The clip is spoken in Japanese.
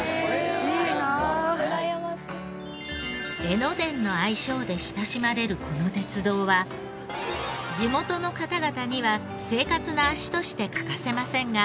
江ノ電の愛称で親しまれるこの鉄道は地元の方々には生活の足として欠かせませんが。